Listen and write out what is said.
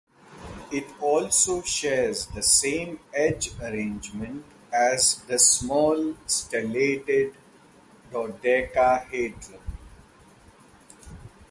It also shares the same edge arrangement as the small stellated dodecahedron.